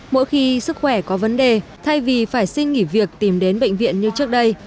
mỗi khi sức khỏe có vấn đề thay vì phải xin nghỉ việc tìm đến bệnh viện như trước đây